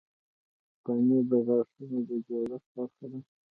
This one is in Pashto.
پنېر د غاښونو د جوړښت برخه ده.